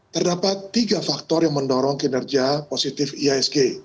terdapat tiga faktor yang mendorong kinerja positif iasg